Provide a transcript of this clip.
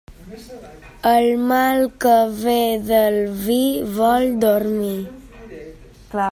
El mal que ve del vi vol dormir.